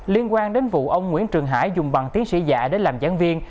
liên quan đến vụ ông nguyễn trường hải dùng bằng tiến sĩ giả để làm giảng viên